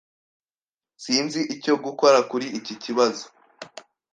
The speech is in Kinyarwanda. Sinzi icyo gukora kuri iki kibazo.